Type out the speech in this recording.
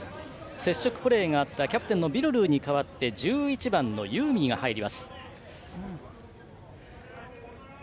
接触プレーがあったキャプテンのビルルーに代わって１１番のユーミーが入りました。